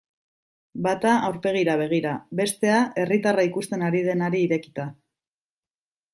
Bata aurpegira begira, bestea herritarra ikusten ari denari irekita.